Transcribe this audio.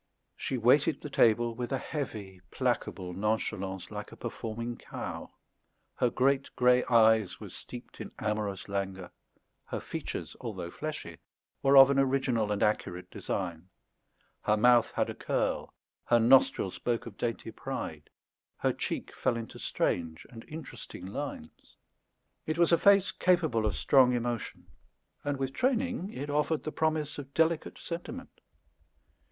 She waited the table with a heavy placable nonchalance, like a performing cow; her great grey eyes were steeped in amorous languor; her features, although fleshy, were of an original and accurate design; her mouth had a curl; her nostril spoke of dainty pride; her cheek fell into strange and interesting lines. It was a face capable of strong emotion, and, with training, it offered the promise of delicate sentiment.